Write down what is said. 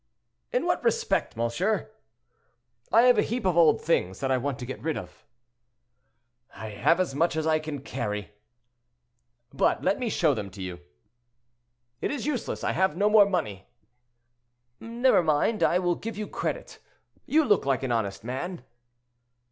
"In what respect, monsieur?" "I have a heap of old things that I want to get rid of." "I have as much as I can carry." "But let me show them to you." "It is useless; I have no more money." "Never mind, I will give you credit; you look like an honest man."